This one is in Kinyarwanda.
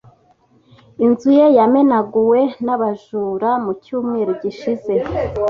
Inzu ye yamenaguwe n’abajura mu cyumweru gishize.